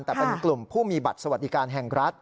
แต่เป็นกลุ่มผู้มีบัตรสวัสดิการแห่งรัฐ